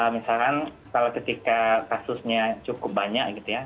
misalkan kalau ketika kasusnya cukup banyak gitu ya